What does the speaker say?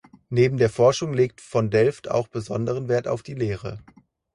Neben der Forschung legt von Delft auch besonderen Wert auf die Lehre.